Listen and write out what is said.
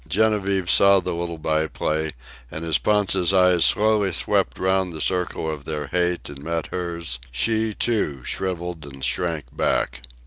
Genevieve saw the little by play, and as Ponta's eyes slowly swept round the circle of their hate and met hers, she, too, shrivelled and shrank back.